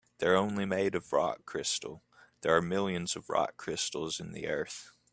They're only made of rock crystal, and there are millions of rock crystals in the earth.